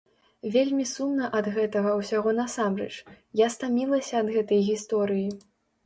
Вельмі сумна ад гэтага ўсяго насамрэч, я стамілася ад гэтай гісторыі.